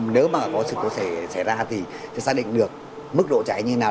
nếu mà có sự cố xảy ra thì sẽ xác định được mức độ cháy như thế nào